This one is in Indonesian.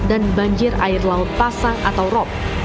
dan banjir air laut pasang atau rop